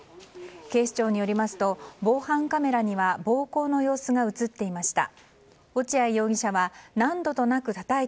警視庁によりますと防犯カメラには暴行の様子が映っていました。